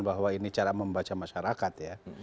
bahwa ini cara membaca masyarakat ya